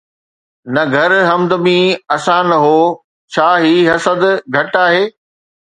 نه گھر حمدمي اسان 'نه هو' ڇا هي حسد گهٽ آهي؟